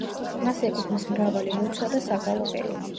მას ეკუთვნის მრავალი ლოცვა და საგალობელი.